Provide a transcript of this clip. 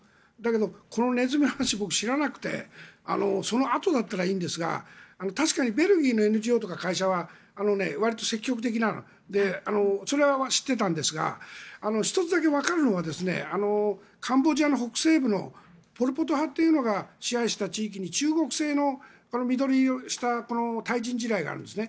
でもネズミの話は知らなくてそのあとだったらいいんですが確かにベルギーのＮＧＯとか会社はわりと積極的でそれは知っていたんですが１つだけわかるのはカンボジアの北西部のポル・ポト派が支配した地域に中国製の緑色をした対人地雷があるんですね。